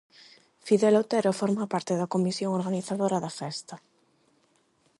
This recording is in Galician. Fidel Otero forma parte da comisión organizadora da festa.